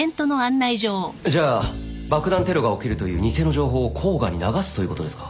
じゃあ爆弾テロが起きるという偽の情報を甲賀に流すということですか？